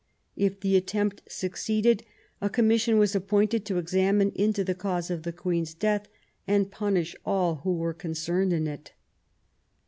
If the attempt succeeded, a Commis sion was appointed to examine into the cause of the Queen's death and punish all who were concerned in it.